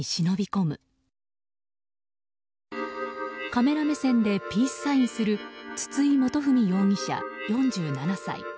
カメラ目線でピースサインする筒井基文容疑者、４７歳。